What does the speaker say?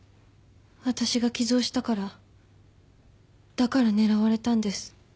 私が寄贈したからだから狙われたんです。